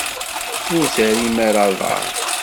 Ur terrim ara aḍar.